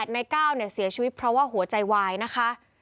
ในก้าวเสียชีวิตเพราะว่าหัวใจวายนะคะ